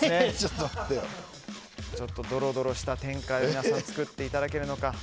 ちょっとドロドロした展開を作っていただけるのか。